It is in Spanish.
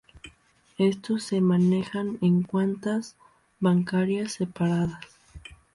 Estos se manejan en cuentas bancarias separadas.